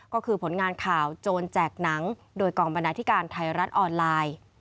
ก็คือผลงานข่าวโจรแจกหนังโดยกองบรรณาธิการไทยรัฐออนไลน์